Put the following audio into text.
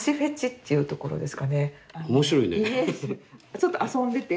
ちょっと遊んでて。